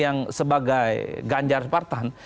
yang sebagai ganjar spartan